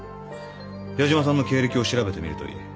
矢島さんの経歴を調べてみるといい。